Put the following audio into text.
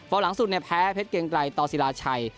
ฝ่าหลังสุดแพ้เพชรเกรงไกรต่อศิลาชัย